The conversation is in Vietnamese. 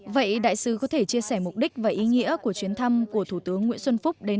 vậy đại sứ có thể chia sẻ mục đích và ý nghĩa của chuyến thăm của thủ tướng nguyễn xuân phúc đến